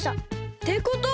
ってことは。